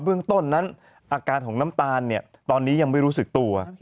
เรื่องต้นนั้นอาการของน้ำตาลตอนนี้ยังไม่รู้สึกตัว